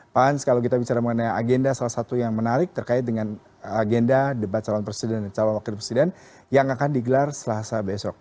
pak hans kalau kita bicara mengenai agenda salah satu yang menarik terkait dengan agenda debat calon presiden dan calon wakil presiden yang akan digelar selasa besok